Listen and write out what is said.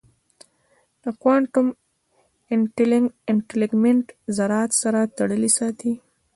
د کوانټم انټنګلمنټ ذرات سره تړلي ساتي.